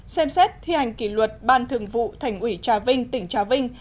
ba xem xét thi hành kỷ luật ban thường vụ thành ủy trà vinh tỉnh trà vinh